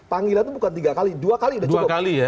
panggilan itu bukan tiga kali dua kali sudah cukup